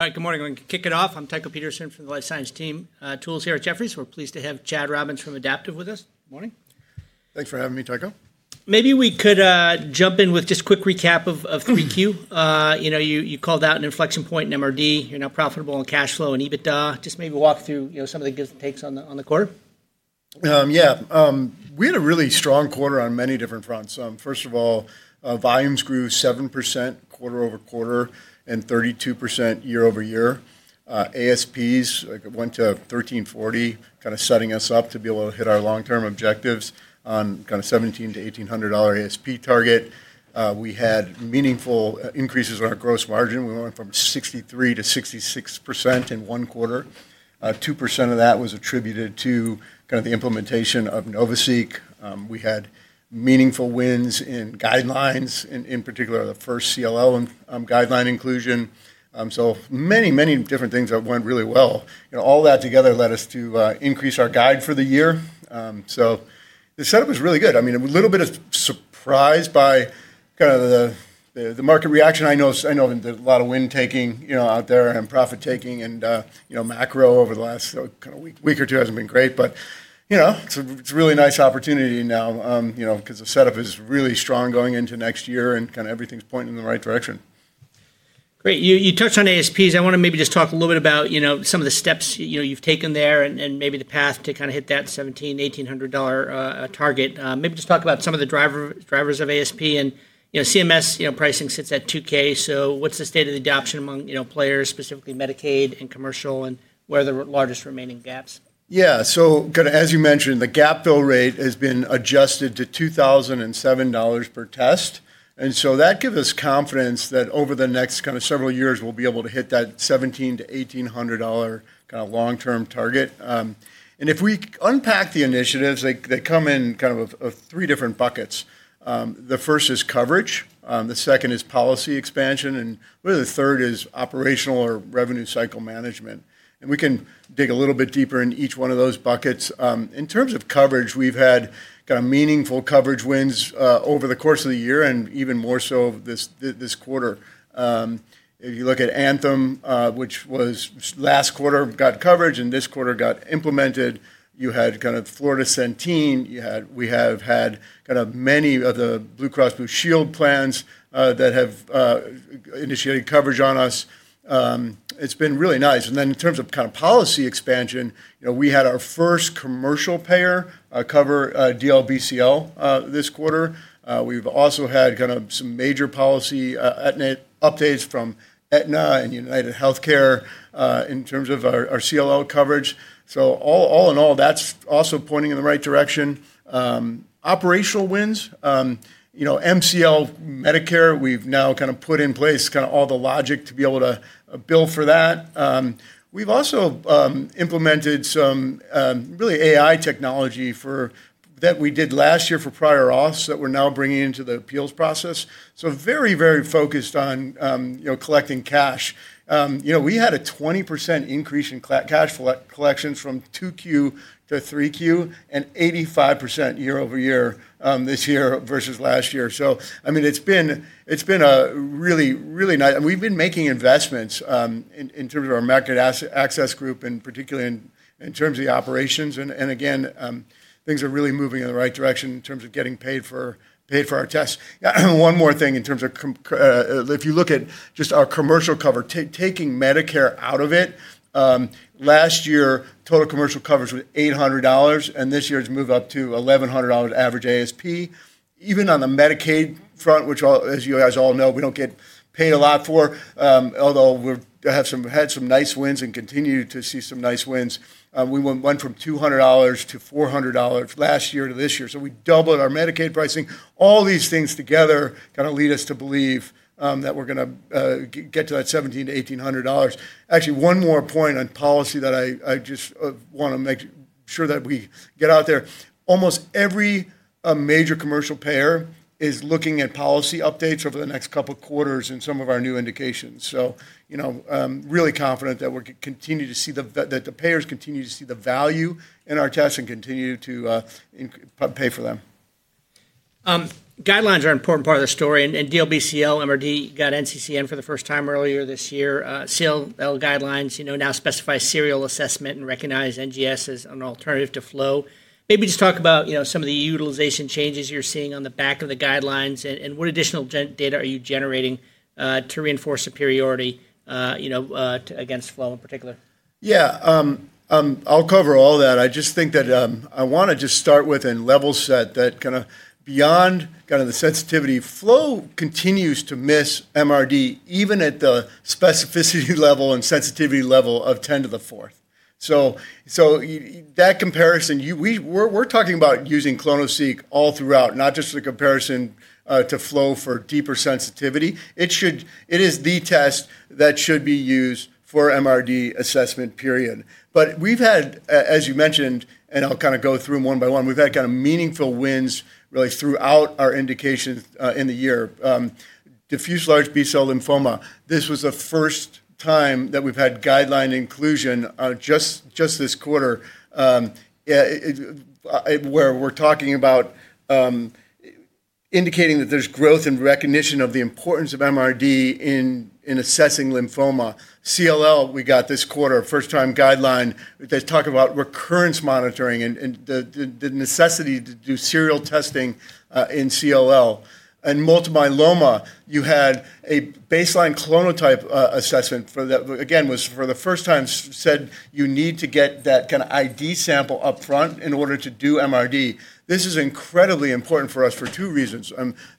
Good morning. We're going to kick it off. I'm Tycho Peterson from the Life Science Team, Tools here at Jefferies. We're pleased to have Chad Robins from Adaptive with us. Good morning. Thanks for having me, Tycho. Maybe we could jump in with just a quick recap of 3Q. You called out an inflection point in MRD. You're now profitable on cash flow and EBITDA. Just maybe walk through some of the give and takes on the quarter. Yeah. We had a really strong quarter on many different fronts. First of all, volumes grew 7% quarter over quarter and 32% year over year. ASPs went to $1,340, kind of setting us up to be able to hit our long-term objectives on kind of $1,700-$1,800 ASP target. We had meaningful increases in our gross margin. We went from 63% to 66% in one quarter. 2% of that was attributed to kind of the implementation of NovaSeq. We had meaningful wins in guidelines, in particular the first CLL guideline inclusion. So many, many different things that went really well. All that together led us to increase our guide for the year. The setup was really good. I mean, a little bit of surprise by kind of the market reaction. I know there's a lot of wind taking out there and profit taking. Macro over the last kind of week or two hasn't been great. It is a really nice opportunity now because the setup is really strong going into next year. Kind of everything's pointing in the right direction. Great. You touched on ASPs. I want to maybe just talk a little bit about some of the steps you've taken there and maybe the path to kind of hit that $1,700-$1,800 target. Maybe just talk about some of the drivers of ASP. CMS pricing sits at $2,000. What's the state of the adoption among players, specifically Medicaid and commercial? What are the largest remaining gaps? Yeah. As you mentioned, the gap fill rate has been adjusted to $2,007 per test. That gives us confidence that over the next kind of several years, we'll be able to hit that $1,700-$1,800 kind of long-term target. If we unpack the initiatives, they come in kind of three different buckets. The first is coverage. The second is policy expansion. Really, the third is operational or revenue cycle management. We can dig a little bit deeper in each one of those buckets. In terms of coverage, we've had kind of meaningful coverage wins over the course of the year and even more so this quarter. If you look at Anthem, which last quarter got coverage and this quarter got implemented, you had kind of Florida Centene. We have had kind of many of the Blue Cross Blue Shield plans that have initiated coverage on us. It's been really nice. In terms of kind of policy expansion, we had our first commercial payer cover DLBCL this quarter. We've also had kind of some major policy updates from Aetna and UnitedHealthcare in terms of our CLL coverage. All in all, that's also pointing in the right direction. Operational wins. MCL Medicare, we've now kind of put in place kind of all the logic to be able to bill for that. We've also implemented some really AI technology that we did last year for prior auths that we're now bringing into the appeals process. Very, very focused on collecting cash. We had a 20% increase in cash collections from 2Q to 3Q and 85% year over year this year versus last year. I mean, it's been really, really nice. We've been making investments in terms of our market access group and particularly in terms of the operations. Again, things are really moving in the right direction in terms of getting paid for our tests. One more thing, if you look at just our commercial cover, taking Medicare out of it, last year total commercial coverage was $800. This year it's moved up to $1,100 average ASP. Even on the Medicaid front, which as you guys all know, we don't get paid a lot for, although we've had some nice wins and continue to see some nice wins. We went from $200 to $400 last year to this year. We doubled our Medicaid pricing. All these things together kind of lead us to believe that we're going to get to that $1,700-$1,800. Actually, one more point on policy that I just want to make sure that we get out there. Almost every major commercial payer is looking at policy updates over the next couple of quarters and some of our new indications. Really confident that we're going to continue to see that the payers continue to see the value in our tests and continue to pay for them. Guidelines are an important part of the story. DLBCL, MRD got NCCN for the first time earlier this year. CLL guidelines now specify serial assessment and recognize NGS as an alternative to flow. Maybe just talk about some of the utilization changes you're seeing on the back of the guidelines. What additional data are you generating to reinforce superiority against flow in particular? Yeah. I'll cover all that. I just think that I want to just start with a level set that kind of beyond kind of the sensitivity, flow continues to miss MRD even at the specificity level and sensitivity level of 10 to the fourth. That comparison, we're talking about using clonoSEQ all throughout, not just the comparison to flow for deeper sensitivity. It is the test that should be used for MRD assessment, period. We've had, as you mentioned, and I'll kind of go through them one by one, we've had kind of meaningful wins really throughout our indications in the year. Diffuse large B-cell lymphoma, this was the first time that we've had guideline inclusion just this quarter where we're talking about indicating that there's growth in recognition of the importance of MRD in assessing lymphoma. CLL, we got this quarter, first-time guideline that talked about recurrence monitoring and the necessity to do serial testing in CLL. And multiple myeloma, you had a baseline clonotype assessment for that, again, was for the first time said you need to get that kind of ID sample upfront in order to do MRD. This is incredibly important for us for two reasons.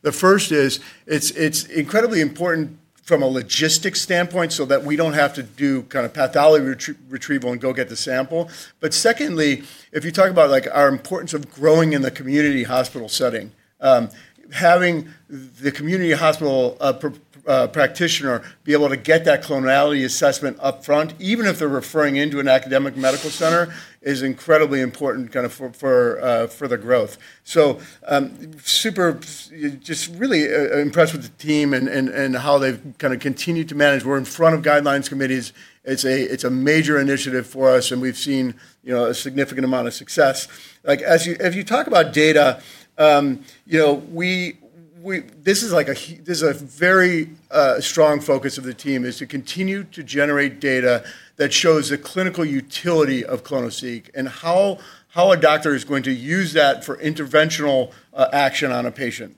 The first is it's incredibly important from a logistics standpoint so that we don't have to do kind of pathology retrieval and go get the sample. But secondly, if you talk about our importance of growing in the community hospital setting, having the community hospital practitioner be able to get that clonality assessment upfront, even if they're referring into an academic medical center, is incredibly important kind of for the growth. So super just really impressed with the team and how they've kind of continued to manage. We're in front of guidelines committees. It's a major initiative for us. We've seen a significant amount of success. If you talk about data, this is a very strong focus of the team, to continue to generate data that shows the clinical utility of clonoSEQ and how a doctor is going to use that for interventional action on a patient.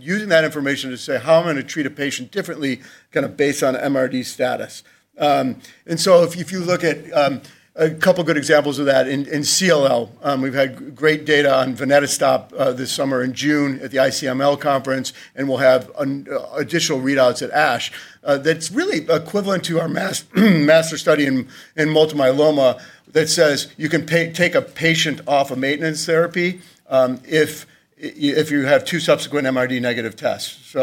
Using that information to say, how am I going to treat a patient differently, kind of based on MRD status. If you look at a couple of good examples of that, in CLL, we've had great data on VENETOSTOP this summer in June at the ICML conference. We'll have additional readouts at ASH that's really equivalent to our master study in multiple myeloma that says you can take a patient off of maintenance therapy if you have two subsequent MRD negative tests.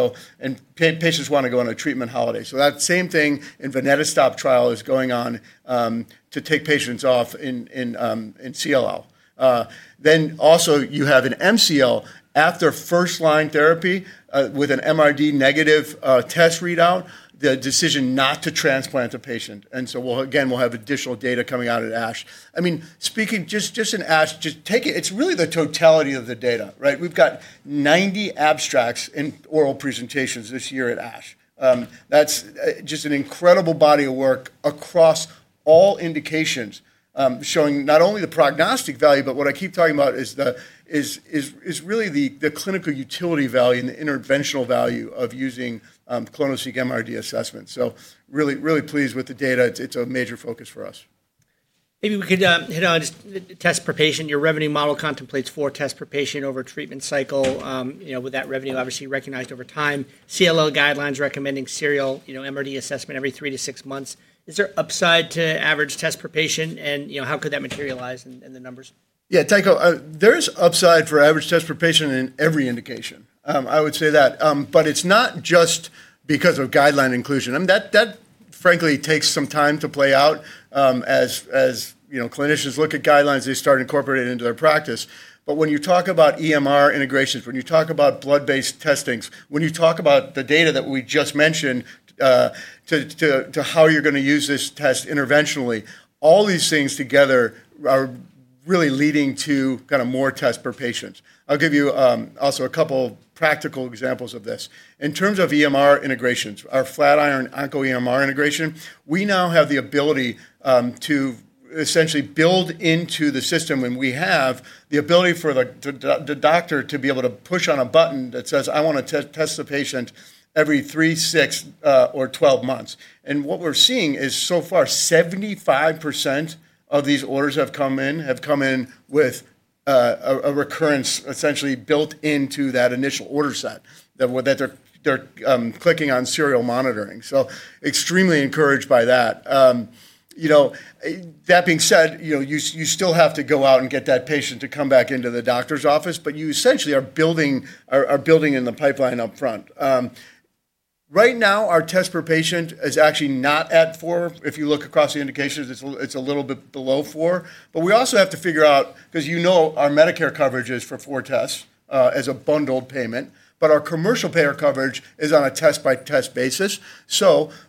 Patients want to go on a treatment holiday. That same thing in the VENETOSTOP trial is going on to take patients off in CLL. You also have in MCL after first-line therapy with an MRD negative test readout, the decision not to transplant a patient. Again, we'll have additional data coming out at ASH. I mean, speaking just in ASH, just take it. It's really the totality of the data. We've got 90 abstracts and oral presentations this year at ASH. That's just an incredible body of work across all indications showing not only the prognostic value, but what I keep talking about is really the clinical utility value and the interventional value of using clonoSEQ MRD assessments. Really, really pleased with the data. It's a major focus for us. Maybe we could hit on just test per patient. Your revenue model contemplates four tests per patient over a treatment cycle with that revenue obviously recognized over time. CLL guidelines recommending serial MRD assessment every three to six months. Is there upside to average test per patient? How could that materialize in the numbers? Yeah, Tycho, there is upside for average test per patient in every indication, I would say that. It is not just because of guideline inclusion. That frankly takes some time to play out as clinicians look at guidelines. They start incorporating it into their practice. When you talk about EMR integrations, when you talk about blood-based testings, when you talk about the data that we just mentioned to how you are going to use this test interventionally, all these things together are really leading to kind of more tests per patient. I will give you also a couple of practical examples of this. In terms of EMR integrations, our Flatiron OncoEMR integration, we now have the ability to essentially build into the system when we have the ability for the doctor to be able to push on a button that says, I want to test the patient every three, six, or 12 months. What we're seeing is so far 75% of these orders have come in with a recurrence essentially built into that initial order set that they're clicking on serial monitoring. Extremely encouraged by that. That being said, you still have to go out and get that patient to come back into the doctor's office. You essentially are building in the pipeline upfront. Right now, our test per patient is actually not at four. If you look across the indications, it's a little bit below four. We also have to figure out because, you know, our Medicare coverage is for four tests as a bundled payment. Our commercial payer coverage is on a test-by-test basis.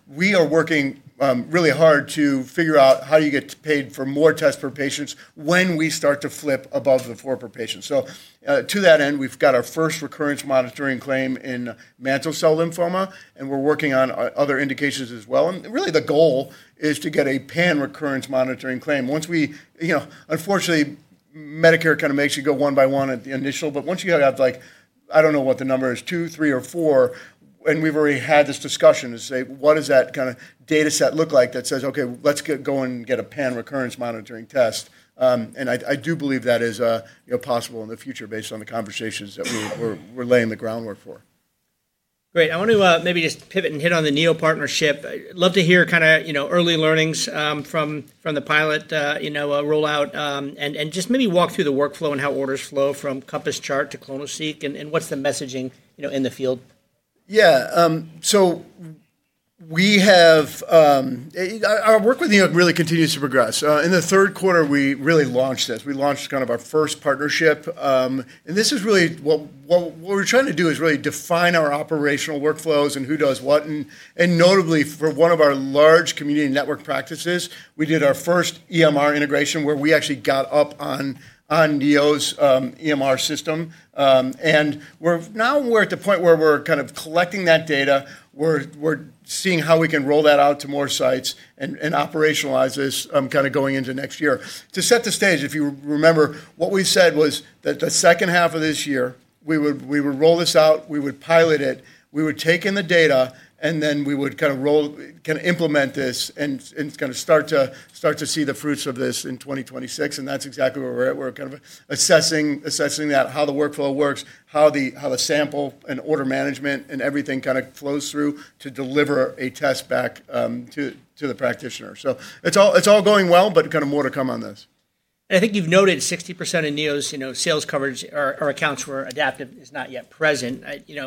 We are working really hard to figure out how do you get paid for more tests per patient when we start to flip above the four per patient. To that end, we've got our first recurrence monitoring claim in mantle cell lymphoma. We are working on other indications as well. Really, the goal is to get a pan recurrence monitoring claim. Unfortunately, Medicare kind of makes you go one by one at the initial. Once you have like, I don't know what the number is, two, three, or four, and we've already had this discussion to say, what does that kind of data set look like that says, okay, let's go and get a pan recurrence monitoring test? I do believe that is possible in the future based on the conversations that we're laying the groundwork for. Great. I want to maybe just pivot and hit on the Neo partnership. I'd love to hear kind of early learnings from the pilot rollout and just maybe walk through the workflow and how orders flow from COMPASS CHART to clonoSEQ and what's the messaging in the field? Yeah. Our work with Neo really continues to progress. In the third quarter, we really launched this. We launched kind of our first partnership. What we're trying to do is really define our operational workflows and who does what. Notably, for one of our large community network practices, we did our first EMR integration where we actually got up on Neo's EMR system. Now we're at the point where we're kind of collecting that data. We're seeing how we can roll that out to more sites and operationalize this going into next year. To set the stage, if you remember, what we said was that the second half of this year, we would roll this out. We would pilot it. We would take in the data. We would kind of implement this and kind of start to see the fruits of this in 2026. That is exactly where we are at. We are kind of assessing that, how the workflow works, how the sample and order management and everything kind of flows through to deliver a test back to the practitioner. It is all going well, but kind of more to come on this. I think you've noted 60% of Neo's sales coverage or accounts where Adaptive is not yet present.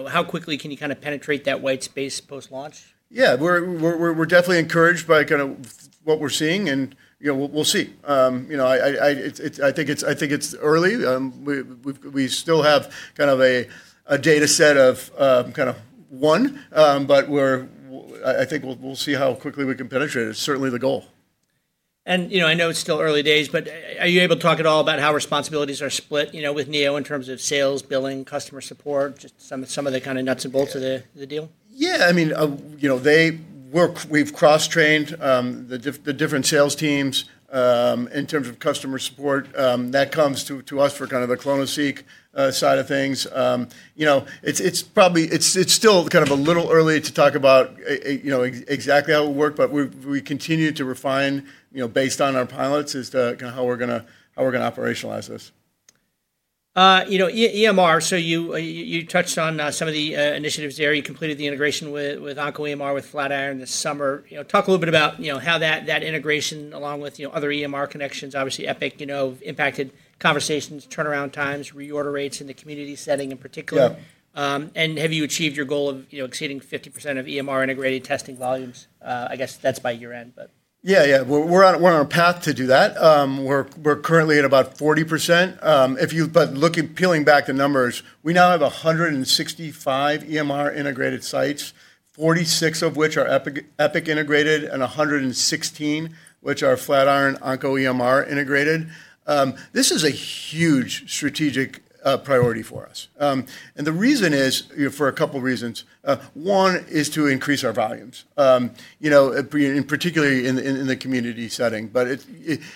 How quickly can you kind of penetrate that white space post-launch? Yeah. We're definitely encouraged by kind of what we're seeing. We'll see. I think it's early. We still have kind of a data set of kind of one. I think we'll see how quickly we can penetrate it. It's certainly the goal. I know it's still early days. Are you able to talk at all about how responsibilities are split with Neo in terms of sales, billing, customer support, just some of the kind of nuts and bolts of the deal? Yeah. I mean, we've cross-trained the different sales teams in terms of customer support. That comes to us for kind of the clonoSEQ side of things. It's still kind of a little early to talk about exactly how it will work. We continue to refine based on our pilots as to kind of how we're going to operationalize this. EMR, so you touched on some of the initiatives there. You completed the integration with OncoEMR with Flatiron this summer. Talk a little bit about how that integration along with other EMR connections, obviously Epic, impacted conversations, turnaround times, reorder rates in the community setting in particular. Have you achieved your goal of exceeding 50% of EMR integrated testing volumes? I guess that's by year end. Yeah, yeah. We're on a path to do that. We're currently at about 40%. Looking, peeling back the numbers, we now have 165 EMR integrated sites, 46 of which are Epic integrated and 116 which are Flatiron OncoEMR integrated. This is a huge strategic priority for us. The reason is for a couple of reasons. One is to increase our volumes, in particular in the community setting. EMR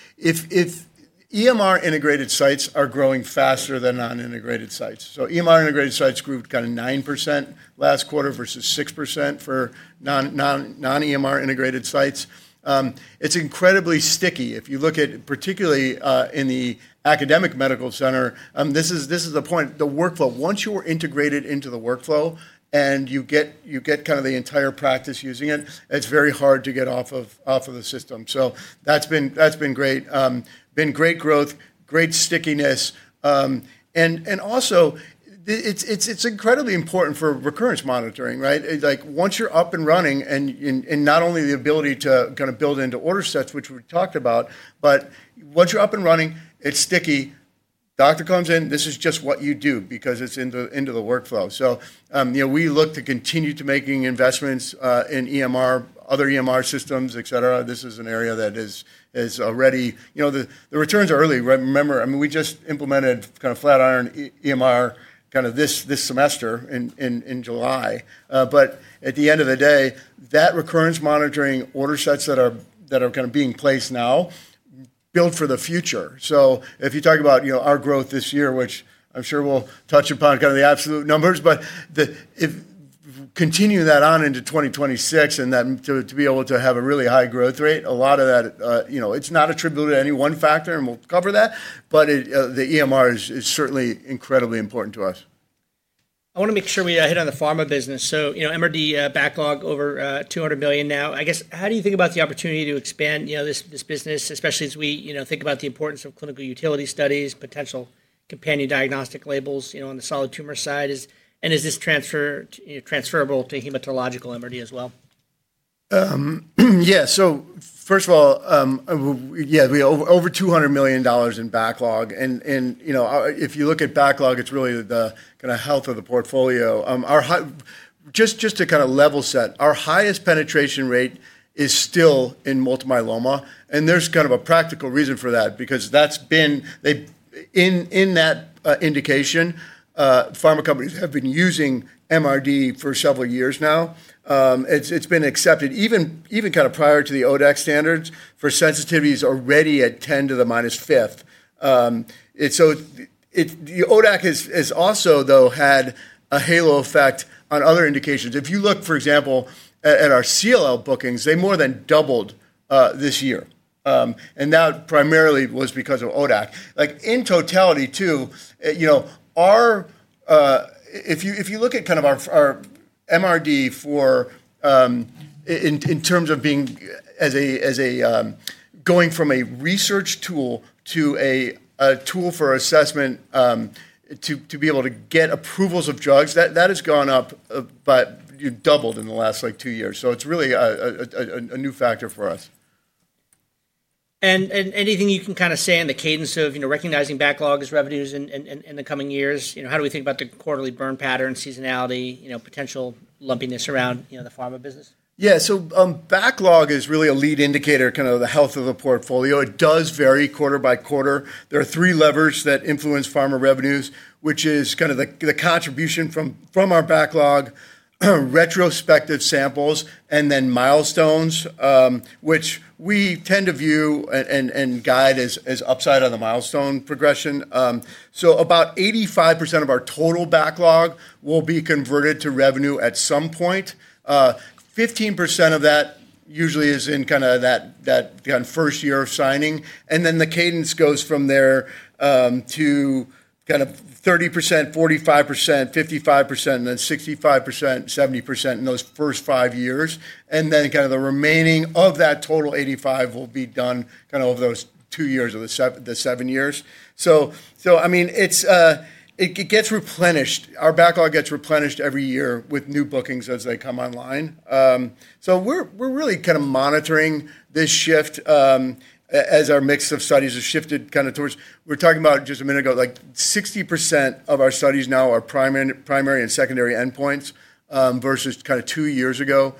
integrated sites are growing faster than non-integrated sites. EMR integrated sites grew kind of 9% last quarter versus 6% for non-EMR integrated sites. It's incredibly sticky if you look at particularly in the academic medical center. This is the point, the workflow. Once you're integrated into the workflow and you get kind of the entire practice using it, it's very hard to get off of the system. That's been great. Been great growth, great stickiness. It is incredibly important for recurrence monitoring. Once you're up and running and not only the ability to kind of build into order sets, which we've talked about, but once you're up and running, it's sticky. Doctor comes in. This is just what you do because it's into the workflow. We look to continue to make investments in EMR, other EMR systems, et cetera. This is an area that is already the returns are early. Remember, I mean, we just implemented kind of Flatiron EMR kind of this semester in July. At the end of the day, that recurrence monitoring order sets that are kind of being placed now build for the future. If you talk about our growth this year, which I'm sure we'll touch upon kind of the absolute numbers, but continuing that on into 2026 and to be able to have a really high growth rate, a lot of that, it's not attributable to any one factor. We'll cover that. The EMR is certainly incredibly important to us. I want to make sure we hit on the pharma business. So MRD backlog over $200 million now. I guess, how do you think about the opportunity to expand this business, especially as we think about the importance of clinical utility studies, potential companion diagnostic labels on the solid tumor side? And is this transferable to hematological MRD as well? Yeah. First of all, we have over $200 million in backlog. If you look at backlog, it's really the kind of health of the portfolio. Just to kind of level set, our highest penetration rate is still in multiple myeloma. There's kind of a practical reason for that because that's been in that indication, pharma companies have been using MRD for several years now. It's been accepted even kind of prior to the ODAC standards for sensitivities already at 10 to the minus fifth. ODAC has also, though, had a halo effect on other indications. If you look, for example, at our CLL bookings, they more than doubled this year. That primarily was because of ODAC. In totality, too, if you look at kind of our MRD in terms of going from a research tool to a tool for assessment to be able to get approvals of drugs, that has gone up, but doubled in the last two years. It is really a new factor for us. Anything you can kind of say in the cadence of recognizing backlog as revenues in the coming years? How do we think about the quarterly burn pattern, seasonality, potential lumpiness around the pharma business? Yeah. So backlog is really a lead indicator of kind of the health of the portfolio. It does vary quarter by quarter. There are three levers that influence pharma revenues, which is kind of the contribution from our backlog, retrospective samples, and then milestones, which we tend to view and guide as upside on the milestone progression. About 85% of our total backlog will be converted to revenue at some point. 15% of that usually is in kind of that first year of signing. The cadence goes from there to kind of 30%, 45%, 55%, and then 65%, 70% in those first five years. The remaining of that total 85% will be done kind of over those two years or the seven years. I mean, it gets replenished. Our backlog gets replenished every year with new bookings as they come online. We're really kind of monitoring this shift as our mix of studies has shifted kind of towards, we were talking about just a minute ago, like 60% of our studies now are primary and secondary endpoints versus kind of two years ago,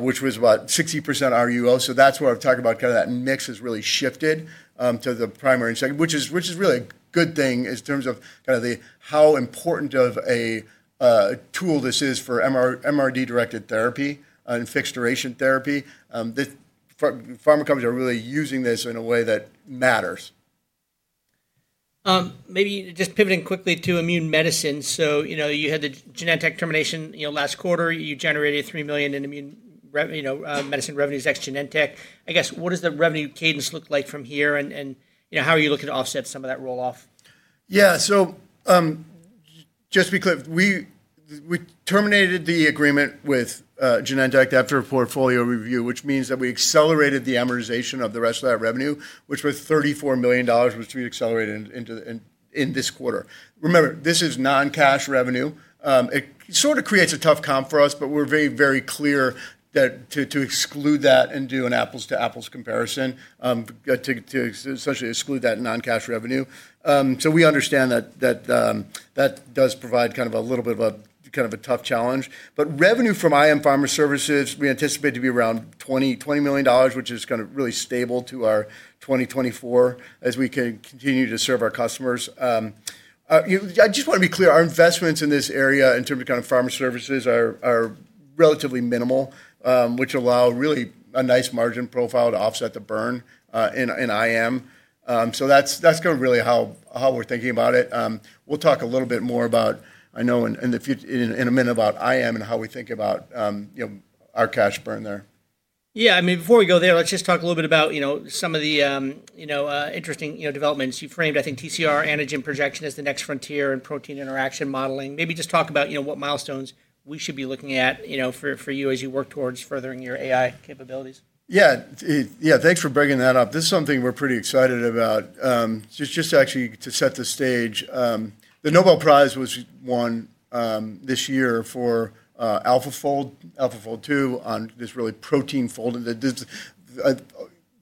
which was about 60% RUO. That's where I'm talking about kind of that mix has really shifted to the primary and second, which is really a good thing in terms of kind of how important of a tool this is for MRD-directed therapy and fixed duration therapy. Pharma companies are really using this in a way that matters. Maybe just pivoting quickly to immune medicine. You had the Genentech termination last quarter. You generated $3 million in immune medicine revenues ex Genentech. I guess, what does the revenue cadence look like from here? How are you looking to offset some of that rolloff? Yeah. Just to be clear, we terminated the agreement with Genentech after a portfolio review, which means that we accelerated the amortization of the rest of that revenue, which was $34 million, which we accelerated in this quarter. Remember, this is non-cash revenue. It sort of creates a tough comp for us. We are very, very clear to exclude that and do an apples-to-apples comparison to essentially exclude that non-cash revenue. We understand that that does provide kind of a little bit of a kind of a tough challenge. Revenue from IM pharma services, we anticipate to be around $20 million, which is kind of really stable to our 2024 as we continue to serve our customers. I just want to be clear, our investments in this area in terms of kind of pharma services are relatively minimal, which allow really a nice margin profile to offset the burn in IM. That's kind of really how we're thinking about it. We'll talk a little bit more about, I know, in a minute about IM and how we think about our cash burn there. Yeah. I mean, before we go there, let's just talk a little bit about some of the interesting developments you framed. I think TCR antigen projection is the next frontier in protein interaction modeling. Maybe just talk about what milestones we should be looking at for you as you work towards furthering your AI capabilities. Yeah. Yeah. Thanks for bringing that up. This is something we're pretty excited about. Just actually to set the stage, the Nobel Prize was won this year for AlphaFold2 on this really protein folding.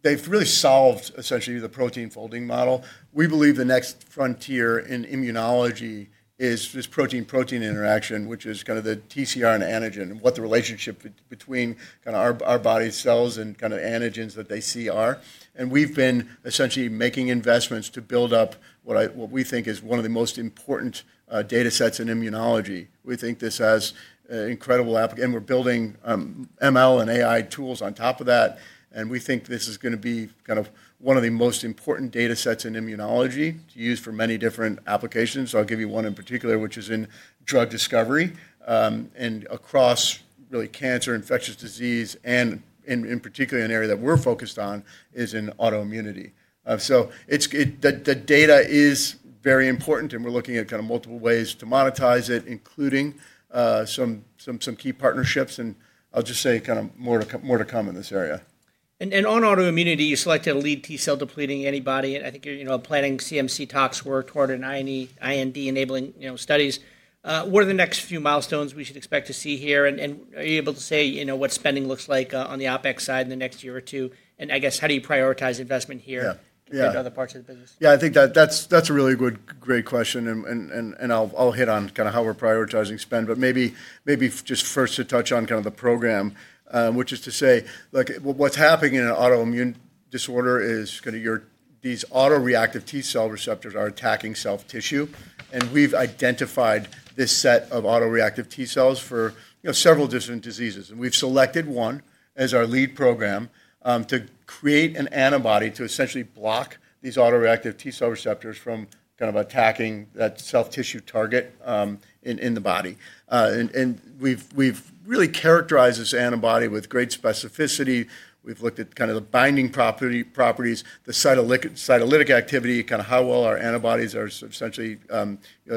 They've really solved essentially the protein folding model. We believe the next frontier in immunology is this protein-protein interaction, which is kind of the TCR and antigen, what the relationship between kind of our body cells and kind of antigens that they see are. And we've been essentially making investments to build up what we think is one of the most important data sets in immunology. We think this has incredible application. And we're building ML and AI tools on top of that. And we think this is going to be kind of one of the most important data sets in immunology to use for many different applications. I'll give you one in particular, which is in drug discovery. And across really cancer, infectious disease, and in particular, an area that we're focused on is in autoimmunity. The data is very important. We're looking at kind of multiple ways to monetize it, including some key partnerships. I'll just say kind of more to come in this area. On autoimmunity, you selected a lead T-cell depleting antibody. I think you're planning CMC talks work toward an IND enabling studies. What are the next few milestones we should expect to see here? Are you able to say what spending looks like on the OpEx side in the next year or two? I guess, how do you prioritize investment here compared to other parts of the business? Yeah. I think that's a really good, great question. I'll hit on kind of how we're prioritizing spend. Maybe just first to touch on kind of the program, which is to say what's happening in an autoimmune disorder is kind of these autoreactive T-cell receptors are attacking self-tissue. We've identified this set of autoreactive T-cells for several different diseases. We've selected one as our lead program to create an antibody to essentially block these autoreactive T-cell receptors from kind of attacking that self-tissue target in the body. We've really characterized this antibody with great specificity. We've looked at kind of the binding properties, the cytolytic activity, kind of how well our antibodies are essentially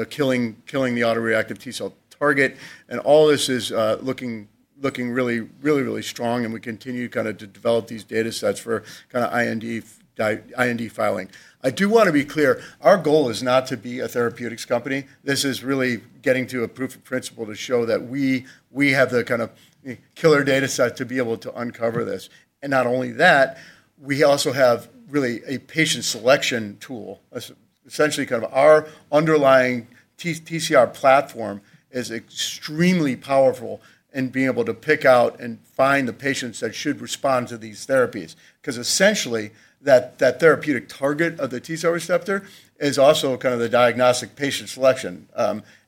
killing the autoreactive T-cell target. All this is looking really, really, really strong. We continue kind of to develop these data sets for kind of IND filing. I do want to be clear, our goal is not to be a therapeutics company. This is really getting to a proof of principle to show that we have the kind of killer data set to be able to uncover this. Not only that, we also have really a patient selection tool. Essentially, kind of our underlying TCR platform is extremely powerful in being able to pick out and find the patients that should respond to these therapies. Because essentially, that therapeutic target of the T-cell receptor is also kind of the diagnostic patient selection.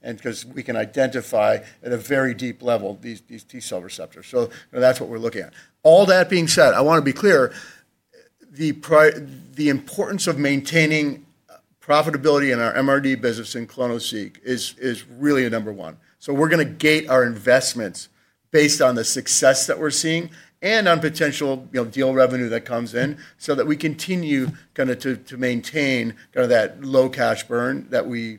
Because we can identify at a very deep level these T-cell receptors. That is what we are looking at. All that being said, I want to be clear, the importance of maintaining profitability in our MRD business in clonoSEQ is really number one. We are going to gate our investments based on the success that we are seeing and on potential deal revenue that comes in so that we continue to maintain kind of that low cash burn that we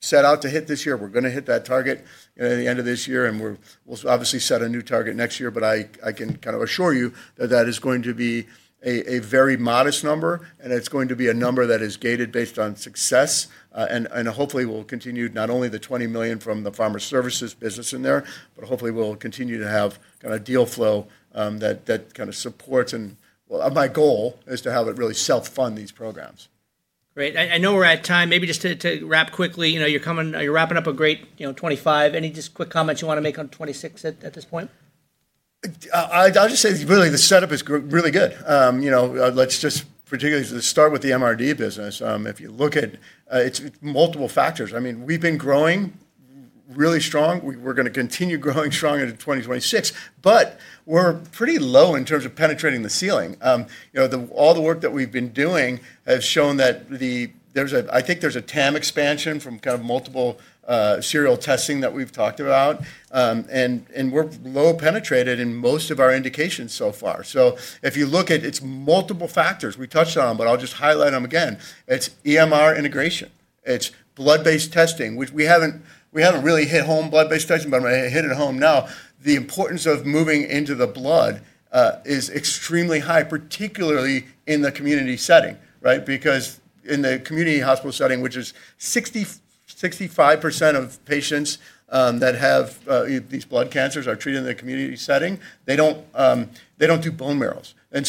set out to hit this year. We are going to hit that target at the end of this year. We will obviously set a new target next year. I can assure you that that is going to be a very modest number. It is going to be a number that is gated based on success. Hopefully, we'll continue not only the $20 million from the pharma services business in there, but hopefully, we'll continue to have kind of deal flow that kind of supports. My goal is to have it really self-fund these programs. Great. I know we're at time. Maybe just to wrap quickly, you're wrapping up a great 2025. Any just quick comments you want to make on 2026 at this point? I'll just say really, the setup is really good. Let's just particularly start with the MRD business. If you look at it, it's multiple factors. I mean, we've been growing really strong. We're going to continue growing strong into 2026. But we're pretty low in terms of penetrating the ceiling. All the work that we've been doing has shown that there's a, I think there's a TAM expansion from kind of multiple serial testing that we've talked about. And we're low penetrated in most of our indications so far. If you look at it, it's multiple factors we touched on, but I'll just highlight them again. It's EMR integration. It's blood-based testing, which we haven't really hit home, blood-based testing. But I'm going to hit it home now. The importance of moving into the blood is extremely high, particularly in the community setting, right? Because in the community hospital setting, which is 65% of patients that have these blood cancers are treated in the community setting, they do not do bone marrows. That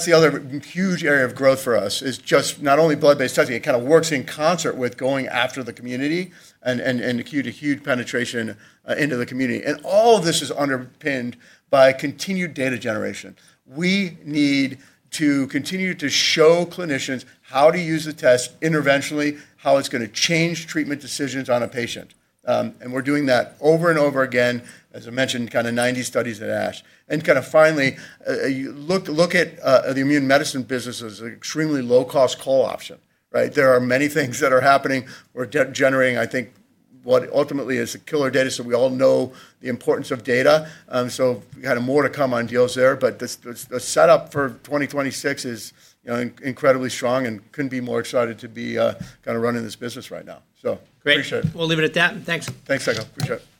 is the other huge area of growth for us, just not only blood-based testing. It kind of works in concert with going after the community and a huge penetration into the community. All of this is underpinned by continued data generation. We need to continue to show clinicians how to use the test interventionally, how it is going to change treatment decisions on a patient. We are doing that over and over again, as I mentioned, kind of 90 studies at ASH. Finally, look at the immune medicine business as an extremely low-cost call option, right? There are many things that are happening. We are generating, I think, what ultimately is killer data. We all know the importance of data. Kind of more to come on deals there. The setup for 2026 is incredibly strong and could not be more excited to be kind of running this business right now. Appreciate it. Great. We'll leave it at that. Thanks. Thanks, Tycho. Appreciate it.